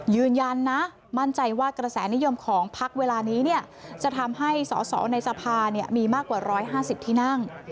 ยืนยันนะมั่นใจว่ากระแสนิยมของพักเวลานี้จะทำให้สอสอในสภามีมากกว่า๑๕๐ที่นั่ง